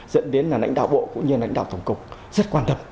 dẫn đến là lãnh đạo bộ cũng như lãnh đạo tổng cục rất quan tâm